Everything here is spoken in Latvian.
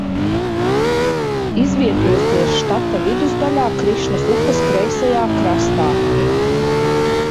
Izvietojusies štata vidusdaļā Krišnas upes kreisajā krastā.